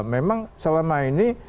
memang selama ini